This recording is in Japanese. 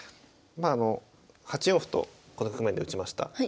まあ８四歩とこの局面で打ちました。